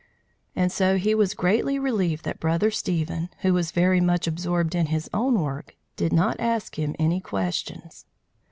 And so he was greatly relieved that Brother Stephen, who was very much absorbed in his own work, did not ask him any questions.